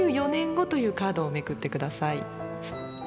２４年後というカードをめくって下さい。